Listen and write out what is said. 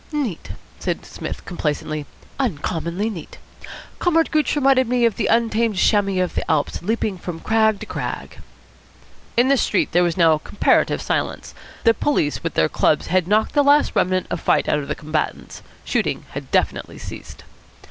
"Neat," said Psmith complacently. "Uncommonly neat. Comrade Gooch reminded me of the untamed chamois of the Alps, leaping from crag to crag." In the street there was now comparative silence. The police, with their clubs, had knocked the last remnant of fight out of the combatants. Shooting had definitely ceased.